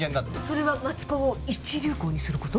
それは松高を一流校にする事？